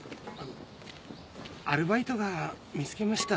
アルバイトが見つけました。